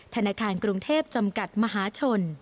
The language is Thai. ธนาคารกรุงเทพจำกัดมหาชน